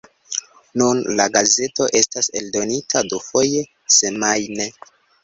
Nun la gazeto estas eldonita dufoje semajne.